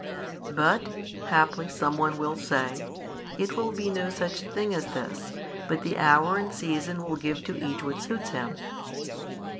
|527 But (haply some one will say) it will be no such thing as this, but the hour and season will give to each what suits him.